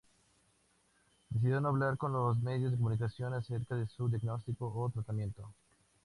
Decidió no hablar con los medios de comunicación acerca de su diagnóstico o tratamiento.